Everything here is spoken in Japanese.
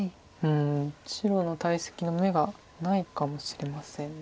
白の大石の眼がないかもしれません。